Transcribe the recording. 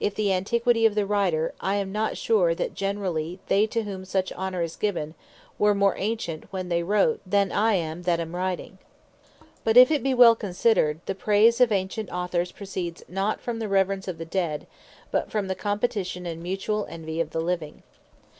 If the Antiquity of the Writer, I am not sure, that generally they to whom such honor is given, were more Ancient when they wrote, than I am that am Writing: But if it bee well considered, the praise of Ancient Authors, proceeds not from the reverence of the Dead, but from the competition, and mutuall envy of the Living.